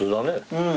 うん。